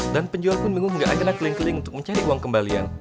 dan penjual pun bingung gak ajaran kling kling untuk mencari uang kembalian